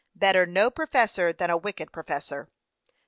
Better no professor than a wicked professor.